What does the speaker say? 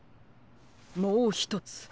もうひとつ。